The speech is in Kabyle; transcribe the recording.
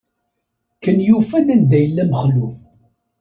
Ken yufa-d anda yella Mexluf.